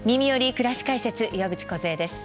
くらし解説」岩渕梢です。